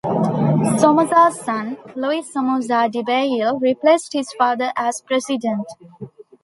Somoza's son, Luis Somoza Debayle, replaced his father as president.